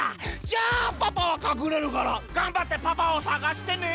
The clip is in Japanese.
じゃあパパはかくれるからがんばってパパを探してね！